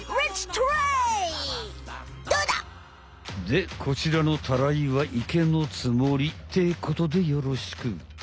でこちらのたらいは池のつもりってことでよろしく。